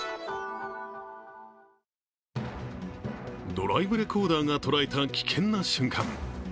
ドライブレコーダーが捉えた危険な瞬間。